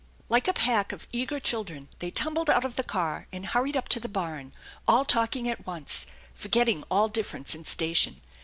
Like a pack of eager children they tumbled out of the car and hurried up to the barn, all talking at once, forgetting all difference in station.